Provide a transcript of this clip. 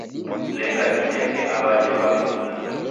Leka dineke aw'aje w'aw'ekuna.